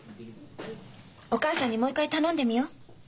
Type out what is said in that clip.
お母さんにもう一回頼んでみよう。